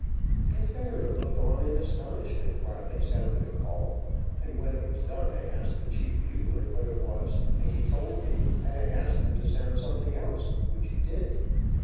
The confederate looked on in astonishment, while they sounded a call, and when it was done I asked the chief bugler what it was, and he told me, and I asked him to sound something else, which he did.